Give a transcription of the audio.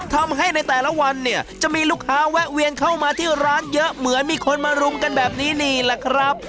ทำให้ในแต่ละวันเนี่ยจะมีลูกค้าแวะเวียนเข้ามาที่ร้านเยอะเหมือนมีคนมารุมกันแบบนี้นี่แหละครับ